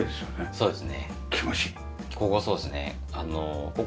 そうです。